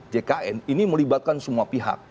jkn ini melibatkan semua pihak